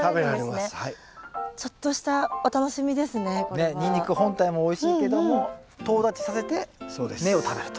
ねっニンニク本体もおいしいけどもとう立ちさせて芽を食べると。